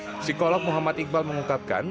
psikolog muhammad iqbal mengungkapkan